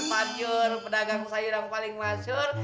panjur pedagang sayur yang paling masyur